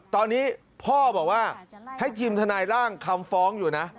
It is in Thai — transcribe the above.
ตอนนี้พ่อบอกว่าให้ทีมทนายร่างคำฟ้องอยู่นะ